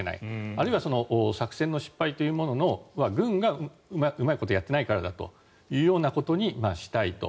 あるいは作戦の失敗というものは軍がうまいことやっていないからだということにしたいと。